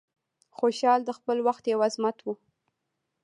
خوشحال د خپل وخت یو عظمت و.